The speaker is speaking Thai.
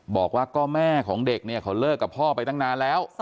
บอกว่าก็แม่ของเด็กเนี่ยเขาเลิกกับพ่อไปตั้งนานแล้ว